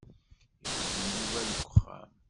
Ixeddem Yuba deg uxxam.